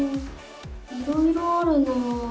いろいろあるなあ。